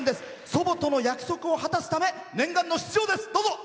祖母との約束を果たすため念願の出場です。